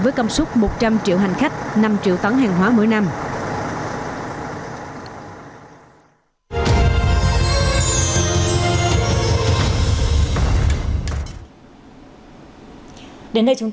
với công suất một trăm linh triệu hành khách năm triệu tấn hàng hóa mỗi năm